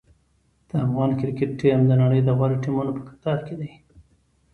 د افغان کرکټ ټیم د نړۍ د غوره ټیمونو په کتار کې دی.